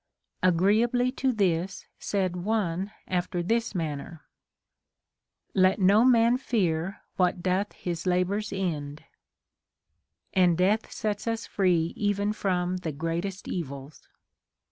Agreeably to this said one after this manner :— Let no man fear what doth his labors end ;— and death sets us free even from the greatest evils.